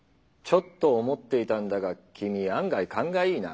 ちょっと思っていたんだが君案外カンがいいな。